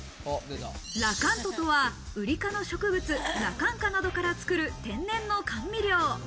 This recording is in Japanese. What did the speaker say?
ラカントとはウリ科の植物・羅漢果などから作る天然の甘味料。